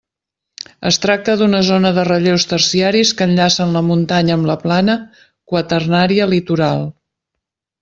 Es tracta d'una zona de relleus terciaris que enllacen la muntanya amb la plana quaternària litoral.